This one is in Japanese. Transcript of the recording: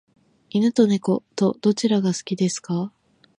犬と猫とどちらが好きですか？